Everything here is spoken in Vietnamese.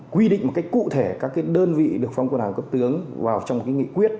quy định một cách cụ thể các đơn vị được phong quân hàng cấp tướng vào trong nghị quyết